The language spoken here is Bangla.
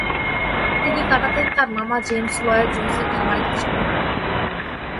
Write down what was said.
তিনি কাটাতেন তার মামা জেমস লয়েড জোনস এর খামারে কাজ করে।